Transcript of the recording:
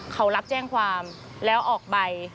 เขารับแจ้งความแล้วออกใบ